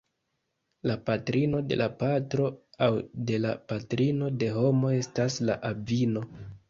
La patrino de la patro aŭ de la patrino de homo estas la avino.